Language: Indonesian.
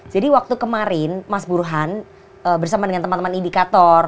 jadi waktu kemarin mas burhan bersama dengan teman teman indikator